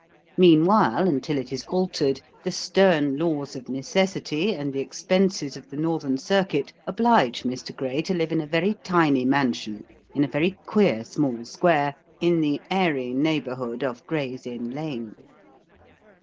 Meanwhile, until it is altered, the stern laws of necessity and the expenses of the Northern Circuit oblige Mr. Gray to live in a very tiny mansion in a very queer small square in the airy neighbourhood of Gray's Inn Lane.